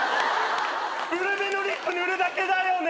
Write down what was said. ブルベのリップ塗るだけだよね。